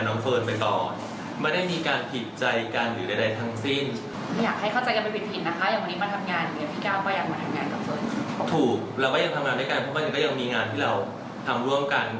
น้องเฟิร์นคะขอหน้าหน่อยเร็ว